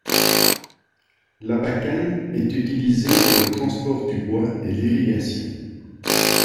L'Abakan est utilisé pour le transport du bois et l'irrigation.